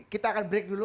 kita akan break dulu